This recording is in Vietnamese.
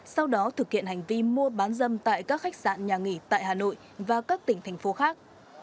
sau đó thực hiện hành vi mua bán dâm tại các khách sạn nhà nghỉ tại hà nội và các tỉnh thành phố khác